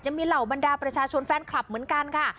มีเหล่าบรรดาประชาชนแฟนคลับเหมือนกันค่ะ